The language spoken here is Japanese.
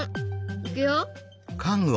いくよ。